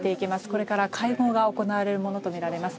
これから会合が行われるものとみられます。